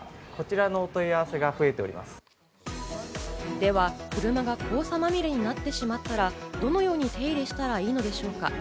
では車が黄砂まみれになってしまったら、どのように手入れをしたらいいのでしょうか？